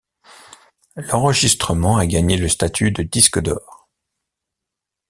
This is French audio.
L'enregistrement a gagné le statut de disque d'or.